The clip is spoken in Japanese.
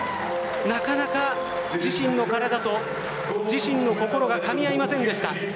なかなか自身の体と自身の心がかみ合いませんでした。